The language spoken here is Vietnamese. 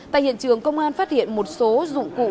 tại hiện trường công an phát hiện một số dụng cụ